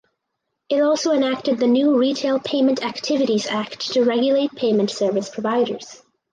It also enacted the new "Retail Payment Activities Act" to regulate payment service providers.